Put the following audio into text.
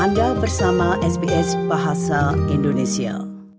anda bersama sbs bahasa indonesia